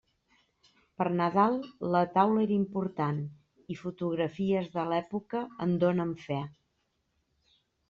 Per Nadal la taula era important, i fotografies de l'època en donen fe.